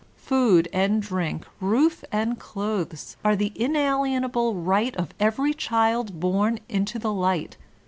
Food and drink, roof and clothes, are the inalienable right of every child bom into the light.